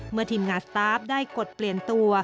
ทีมงานสตาร์ฟได้กดเปลี่ยนตัว